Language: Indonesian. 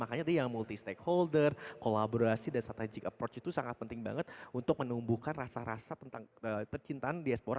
makanya tadi yang multi stakeholder kolaborasi dan strategic approach itu sangat penting banget untuk menumbuhkan rasa rasa tentang percintaan diaspora